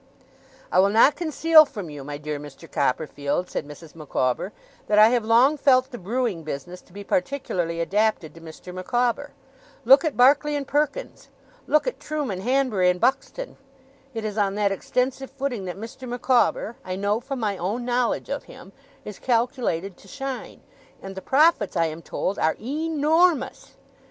'I will not conceal from you, my dear Mr. Copperfield,' said Mrs. Micawber, 'that I have long felt the Brewing business to be particularly adapted to Mr. Micawber. Look at Barclay and Perkins! Look at Truman, Hanbury, and Buxton! It is on that extensive footing that Mr. Micawber, I know from my own knowledge of him, is calculated to shine; and the profits, I am told, are e NOR MOUS!